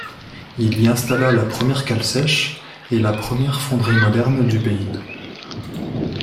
Il y installa la première cale sèche et la première fonderie moderne du pays.